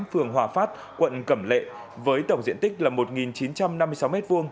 phường hòa phát quận cẩm lệ với tổng diện tích là một chín trăm năm mươi sáu m hai